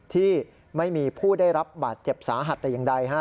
ที่ไม่มีผู้ได้รับบาดเจ็บสาหัสแต่อย่างใด